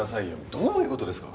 どういう事ですか？